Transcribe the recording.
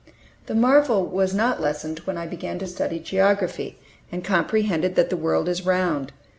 The marvel was not lessened when I began to study geography, and comprehended that the world is round.